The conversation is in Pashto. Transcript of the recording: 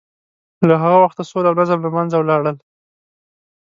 له هغه وخته سوله او نظم له منځه ولاړ.